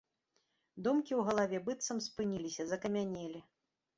Думкі ў галаве быццам спыніліся, закамянелі.